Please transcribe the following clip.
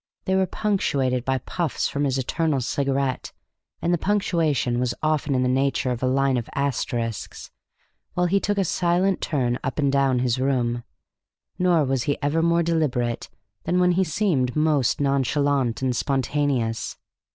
They were punctuated by puffs from his eternal cigarette, and the punctuation was often in the nature of a line of asterisks, while he took a silent turn up and down his room. Nor was he ever more deliberate than when he seemed most nonchalant and spontaneous.